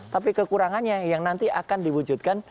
tapi kekurangannya yang nanti akan diwujudkan